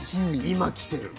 今来てる。